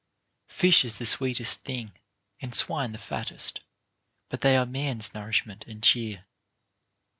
Fish is the sweetest thing, and swine the fattest ; but they are man's nourishment and cheer.